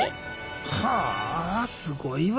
はあすごいわ。